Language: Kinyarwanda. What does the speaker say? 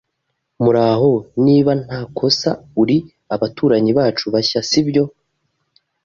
Muraho. Niba ntakosa, uri abaturanyi bacu bashya, sibyo?